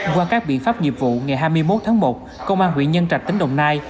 qua các biện pháp nghiệp vụ ngày hai mươi một tháng một công an huyện nhân trạch tỉnh đồng nai